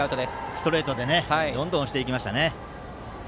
ストレートでどんどん押していきました。